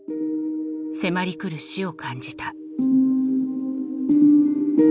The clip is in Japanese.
迫り来る死を感じた。